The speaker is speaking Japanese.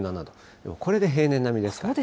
でもこれで平年並みですから。